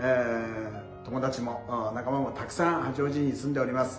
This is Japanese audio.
友達も、仲間もたくさん八王子に住んでおります。